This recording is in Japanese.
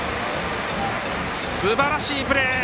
すばらしいプレー！